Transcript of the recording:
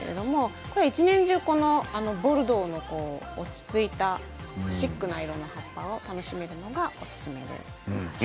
一年中ボルドーの落ち着いたシックな色の葉が楽しめるのがおすすめです。